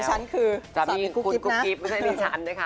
สามีดีชันคือสามีกุ๊กกิ๊บนะครับสามีคุณกุ๊กกิ๊บไม่ใช่ดีชันนะคะ